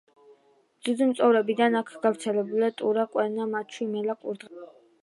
ძუძუმწოვრებიდან აქ გავრცელებულია ტურა, კვერნა, მაჩვი, მელა, კურდღელი, ციყვი.